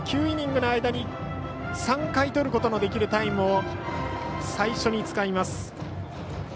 ９イニングの間に３回とることのできるタイムを最初に使います。